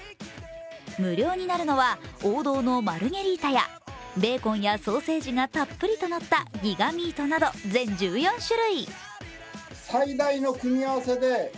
無料になるのは王道のマルゲリータやベーコンやソーセージがたっぷりとのったギガ・ミートなど全１４種類。